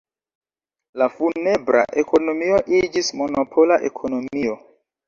La funebra ekonomio iĝis monopola ekonomio.